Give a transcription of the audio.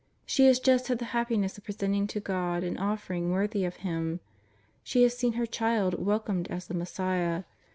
She has just had the happiness of presenting to God an offering worthy of Ilim. She has seen her Child wel comed as the Messiah.